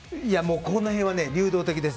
この辺は流動的です。